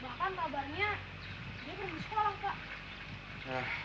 bahkan kabarnya dia belum sekolah pak